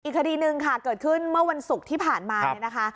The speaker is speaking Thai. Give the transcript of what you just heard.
อีกคดีหนึ่งค่ะเกิดขึ้นเมื่อวันศุกร์ที่ผ่านมา